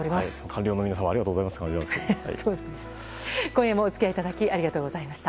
官僚の皆様ありがとうございます。